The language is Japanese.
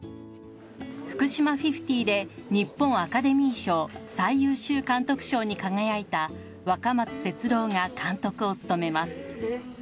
Ｆｕｋｕｓｈｉｍａ５０で日本アカデミー賞最優秀監督賞に輝いた若松節朗が監督を務めます